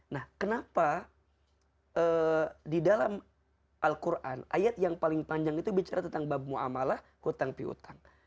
nah kenapa di dalam al quran ayat yang paling panjang itu bicara tentang mu'amalah hutang pihutang